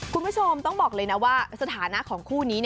คุณผู้ชมต้องบอกเลยนะว่าสถานะของคู่นี้